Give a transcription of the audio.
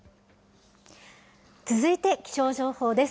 続いて気象情報です。